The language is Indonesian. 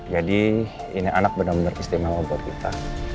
jadi ini anak benar benar istimewa buat kita